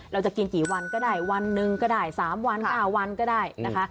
เราจะกินกี่วันก็ได้วันหนึ่งก็ได้๓วัน๙วันก็ได้นะคะ